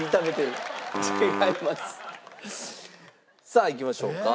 さあいきましょうか。